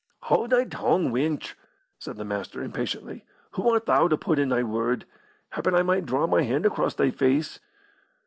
"Haud thy tongue, wench!" said the Master, impatiently. "Who art thou to put in thy word? Happen I might draw my hand across thy face."